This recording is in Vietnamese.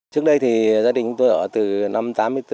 trước đây thì gia đình tôi ở từ năm một nghìn chín trăm tám mươi bốn